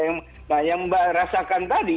yang mbak rasakan tadi